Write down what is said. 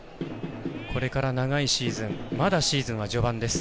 これから長いシーズンまだシーズンは序盤です。